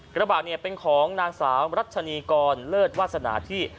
กระบะเนี่ยเป็นของนางสาวรัชนีกรเลิศวาสนาที่